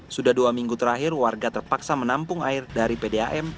sudah dua minggu terakhir warga terpaksa menampung air dari pdam